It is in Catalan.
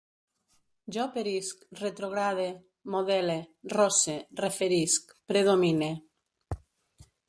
Jo perisc, retrograde, modele, rosse, referisc, predomine